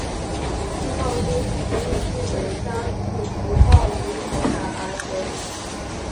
杏鲍菇因其有杏仁香气及鲍鱼口感而得名。